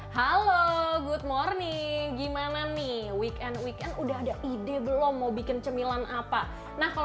halo good morning gimana nih weekend weekend udah ada ide belum mau bikin cemilan apa nah kalau